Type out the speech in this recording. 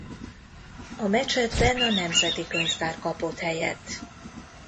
A mecsetben a nemzeti könyvtár kapott helyet.